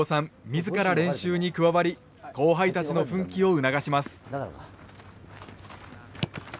自ら練習に加わり後輩たちの奮起を促します。